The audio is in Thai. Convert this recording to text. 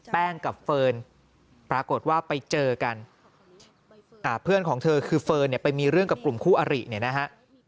กับเฟิร์นปรากฏว่าไปเจอกันเพื่อนของเธอคือเฟิร์นเนี่ยไปมีเรื่องกับกลุ่มคู่อริเนี่ยนะฮะ